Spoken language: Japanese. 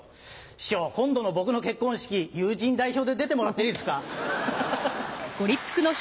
師匠今度の僕の結婚式友人代表で出てもらっていいですか？